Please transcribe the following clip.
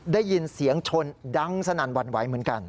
ได้ยินเสียงชนดังสนั่นหวั่นไหวเหมือนกัน